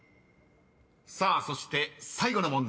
［さあそして最後の問題］